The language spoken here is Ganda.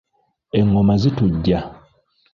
Enggoma zitujja.